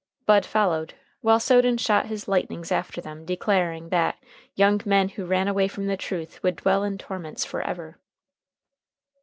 Bud followed, while Soden shot his lightnings after them, declaring that "young men who ran away from the truth would dwell in torments forever."